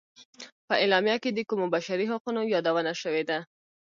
په اعلامیه کې د کومو بشري حقونو یادونه شوې ده.